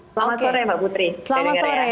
selamat sore mbak putri